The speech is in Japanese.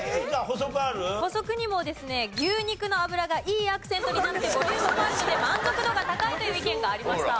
補足にもですね牛肉の脂がいいアクセントになってボリュームもあるので満足度が高いという意見がありました。